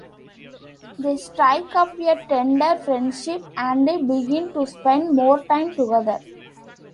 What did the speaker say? They strike up a tender friendship and begin to spend more time together.